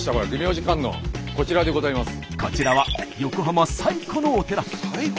こちらは横浜最古のお寺。